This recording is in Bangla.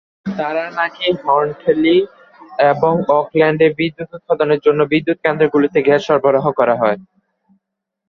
তারানাকি, হান্টলি এবং অকল্যান্ডে বিদ্যুৎ উৎপাদনের জন্য বিদ্যুৎ কেন্দ্রগুলিতে গ্যাস সরবরাহ করা হয়।